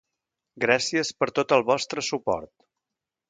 Gràcies per tot el vostre suport.